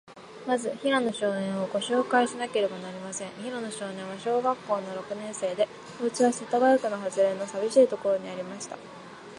まず、平野少年を、ごしょうかいしなければなりません。平野少年は、小学校の六年生で、おうちは、世田谷区のはずれの、さびしいところにありました。